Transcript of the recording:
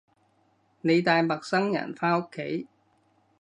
你帶陌生人返屋企